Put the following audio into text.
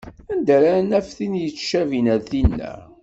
Anda ara naf tin yettcabin ar tinna?